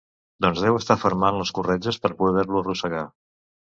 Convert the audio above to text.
Doncs deu estar fermant les corretges per poder-te arrossegar.